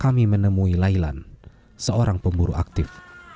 kami menemui lailan seorang pemburu aktif